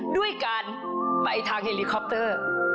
ด้วยการไปทางเฮลิคอปเตอร์